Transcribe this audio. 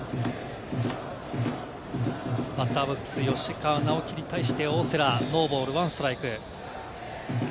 バッターボックスの吉川尚輝に対して大瀬良、ノーボール１ストライク。